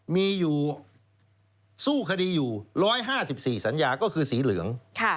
มีอยู่สู้คดีอยู่๑๕๔สัญญาก็คือสีเหลือง